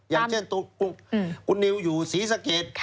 อย่างเช่นคุณนิวอยู่ศรีสะเกด